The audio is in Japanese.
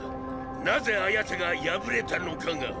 なぜあ奴が敗れたのかが。